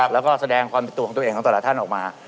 แล้วก็แสดงความเป็นตัวของตัวเองของแต่ละท่านออกมา